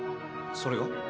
それが？